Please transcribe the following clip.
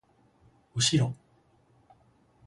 うしろ